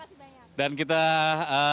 iya terima kasih banyak